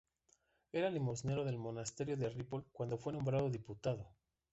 Era limosnero del monasterio de Ripoll cuando fue nombrado diputado.